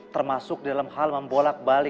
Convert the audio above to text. termasuk dalam hal membola kaki